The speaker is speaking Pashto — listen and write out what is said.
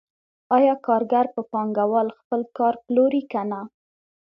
آیا کارګر په پانګوال خپل کار پلوري که نه